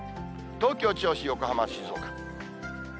東京、銚子、横浜、静岡。